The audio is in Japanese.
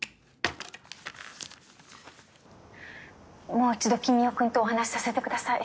もう１度君雄君とお話させてください。